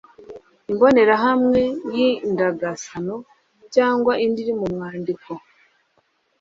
Imbonerahamwe y’indagasano Cyangwa indi iri mu mwandiko